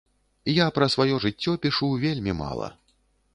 Я пра сваё жыццё пішу вельмі мала.